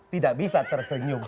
tidak bisa tersenyum